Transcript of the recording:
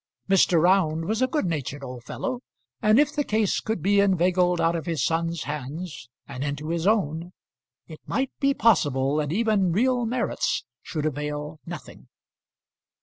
Mr. Round was a good natured old fellow, and if the case could be inveigled out of his son's hands and into his own, it might be possible that even real merits should avail nothing.